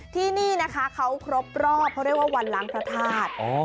ที่นี่เขาครบรอบเพราะว่าวันล้างประธาตุ